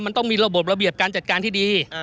มันต้องมีระบบระเบียบการจัดการที่ดี